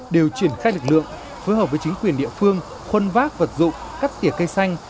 đều triển khai lực lượng phối hợp với chính quyền địa phương khuân vác vật dụng cắt tỉa cây xanh